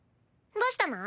どうしたの？